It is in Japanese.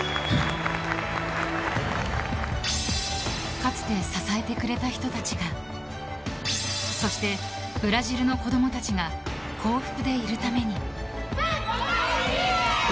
かつて支えてくれた人たちがそして、ブラジルの子供たちが幸福でいるために。